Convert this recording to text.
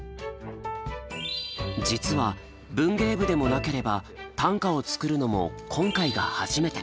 実は文芸部でもなければ短歌を作るのも今回が初めて。